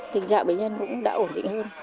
tình trạng bệnh nhân cũng đã ổn định hơn